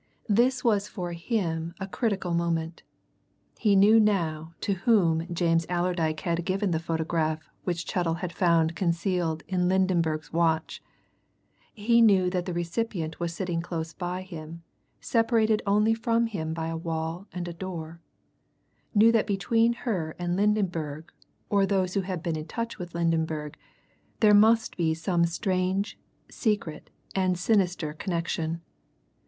This was for him a critical moment. He knew now to whom James Allerdyke had given the photograph which Chettle had found concealed in Lydenberg's watch; knew that the recipient was sitting close by him, separated only from him by a wall and a door; knew that between her and Lydenberg, or those who had been in touch with Lydenberg, there must be some strange, secret, and sinister connection.